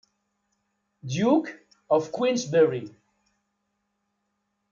Duke of Queensberry.